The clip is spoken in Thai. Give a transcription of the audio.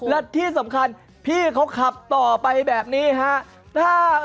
และที่สำคัญพี่เขาขับต่อไปแบบนี้ฮะ